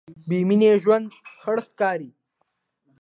بېمینې ژوند خړ ښکاري.